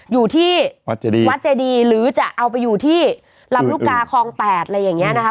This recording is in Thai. อยู่ที่วัดเจดีหรือจะเอาไปอยู่ที่ลำลูกกาคลอง๘อะไรอย่างนี้นะคะ